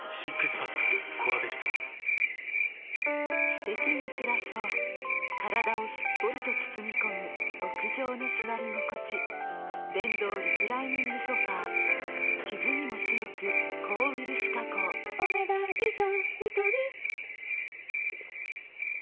すてきに暮らそう体をすっぽりと包み込む極上の座り心地電動リクライニングソファ傷にも強く抗ウイルス加工お、ねだん以上。